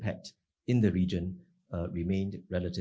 alat kebijakan di daerah